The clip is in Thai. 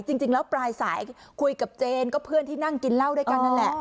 จริงแล้วปลายสายคุยกับเจนก็เพื่อนที่นั่งกินเหล้าด้วยกันนั่นแหละ